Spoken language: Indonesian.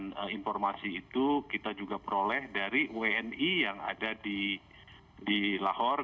dan informasi itu kita juga peroleh dari wni yang ada di lahore